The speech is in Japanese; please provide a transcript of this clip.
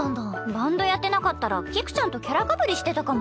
バンドやってなかったら菊ちゃんとキャラかぶりしてたかも。